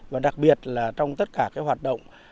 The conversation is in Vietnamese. và đặc biệt là trong tất cả các hoạt động